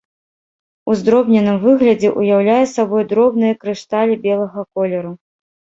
У здробненым выглядзе ўяўляе сабой дробныя крышталі белага колеру.